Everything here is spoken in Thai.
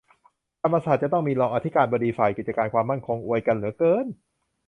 ธรรมศาสตร์จะต้องมี "รองอธิการบดีฝ่ายกิจการความมั่นคง" อวยกันเหลือเกิ๊น